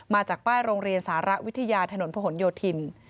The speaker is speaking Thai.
มาจากป้ายโรงเรียนสารวิทยาถนนผนโยธิน